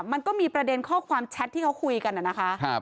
มันก็มีประเด็นข้อความแชทที่เขาคุยกันนะคะ